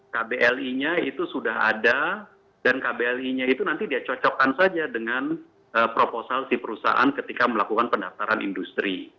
kbli nya itu sudah ada dan kbli nya itu nanti dia cocokkan saja dengan proposal si perusahaan ketika melakukan pendaftaran industri